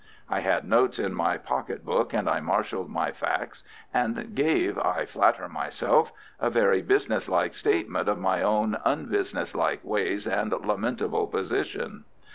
I had notes in my pocket book, and I marshalled my facts, and gave, I flatter myself, a very business like statement of my own un business like ways and lamentable position.